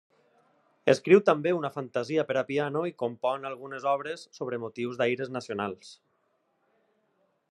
Escriu també una Fantasia per a piano i compon algunes obres sobre motius d'aires nacionals.